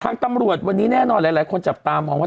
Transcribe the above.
ทางตำรวจวันนี้แน่นอนหลายคนจับตามองว่า